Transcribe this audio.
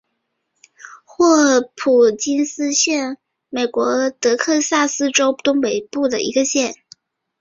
霍普金斯县位美国德克萨斯州东北部的一个县。